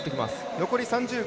残り３０秒。